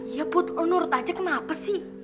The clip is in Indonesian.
ya put menurut aja kenapa sih